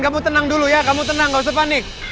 kamu tenang dulu ya kamu tenang gak usah panik